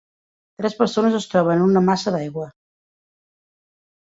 Tres persones es troben en una massa d'aigua.